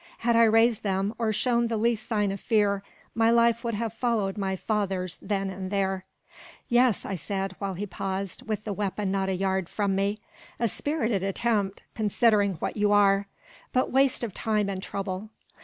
Had I raised them, or shown the least sign of fear, my life would have followed my father's then and there. "Yes," I said, while he paused, with the weapon not a yard from me, "a spirited attempt, considering what you are. But waste of time and trouble.